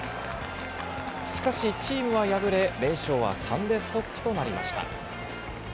しかし、チームは敗れ、連勝は３でストップとなりました。